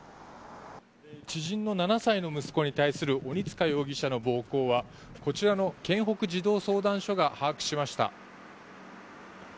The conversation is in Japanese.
知人の７歳の息子に対する鬼塚容疑者の暴行はこちらの県北児童相談所が把握しました。